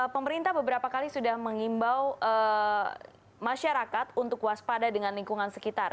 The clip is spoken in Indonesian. pemerintah beberapa kali sudah mengimbau masyarakat untuk waspada dengan lingkungan sekitar